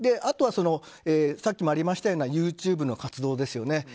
あとはさっきもありましたようなＹｏｕＴｕｂｅの活動ですね。